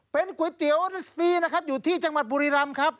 เป็นก๋วยเตี๋ยวฟรีนะครับอยู่ที่จังหวัดบุรีรำครับ